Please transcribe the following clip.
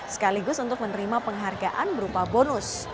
sekaligus untuk menerima penghargaan berupa bonus